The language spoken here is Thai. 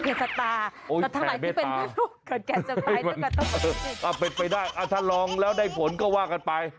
แต่ถ้าหลายที่ผมกับเค้นแต่เค้นก็จะตายฉันลองแล้วได้ผลก็ว่ากันไป